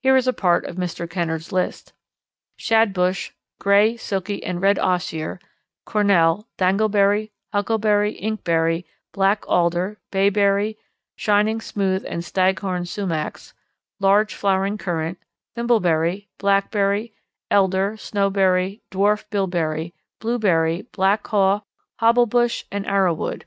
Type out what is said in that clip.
Here is a part of Mr. Kennard's list: shad bush, gray, silky, and red osier, cornel, dangleberry, huckleberry, inkberry, black alder, bayberry, shining, smooth, and staghorn sumachs, large flowering currant, thimbleberry, blackberry, elder, snowberry, dwarf bilberry, blueberry, black haw, hobblebush, and arrow wood.